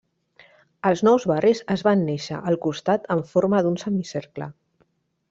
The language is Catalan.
Els nous barris es van néixer al costat en forma d'un semicercle.